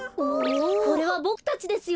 これはボクたちですよ。